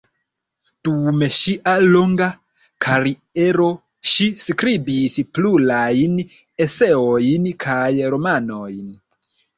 Dum ŝia longa kariero ŝi skribis plurajn eseojn kaj romanojn.